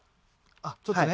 あっちょっとね